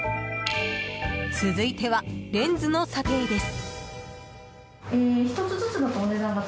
続いては、レンズの査定です。